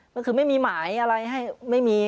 ก็คือไม่มีหมายอะไรให้ไม่มี